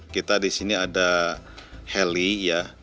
kita di sini ada heli ya